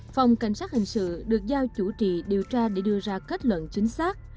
phòng cảnh sát hình sự được giao chủ trì điều tra để đưa ra kết luận chính xác